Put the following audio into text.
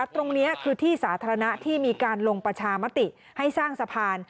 ตรงนี้คือที่สาธารณะที่มีการลงประชามติให้สร้างสะพาน